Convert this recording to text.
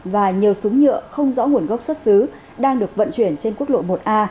và nhiều súng nhựa không rõ nguồn gốc xuất xứ đang được vận chuyển trên quốc lộ một a